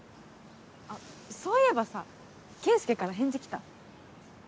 あっそういえばさ健介から返事来た？